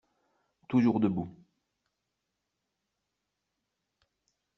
Toujours debout